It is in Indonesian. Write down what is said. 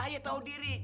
ayo tau diri